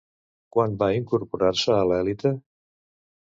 Quan va incorporar-se a Élite?